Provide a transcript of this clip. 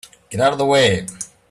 Get out of the way!